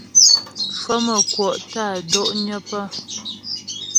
Cwəmə̌kwɔ' tə́ á do'nyə pə́.